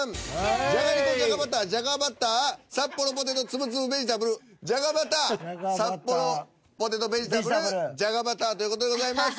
「じゃがりこじゃがバター」「じゃがバター」「サッポロポテトつぶつぶベジタブル」「じゃがバター」「サッポロポテトベジタブル」「じゃがバター」という事でございます。